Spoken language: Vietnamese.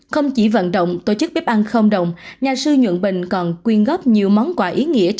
không chỉ vận động tổ chức bếp ăn không đồng nhà sư nhuận bình còn quyên góp nhiều món quà ý nghĩa